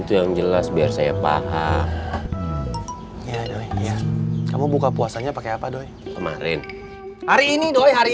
buka puasa pake apa hari ini